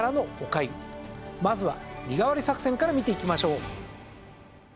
まずは身代わり作戦から見ていきましょう。